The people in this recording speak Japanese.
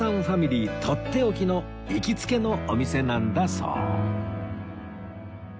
ファミリーとっておきの行きつけのお店なんだそう